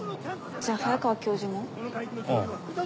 じゃあ早川教授も？ああ。